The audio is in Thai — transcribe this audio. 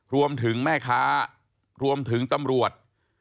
รวมถึงแม่ค้ารวมถึงตำรวจ